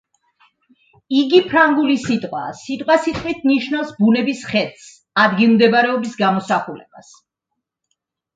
იგი ფრანგული სიტყვაა, სიტყვასიტყვით ნიშნავს ბუნების ხედს, ადგილმდებარეობის გამოსახულებას.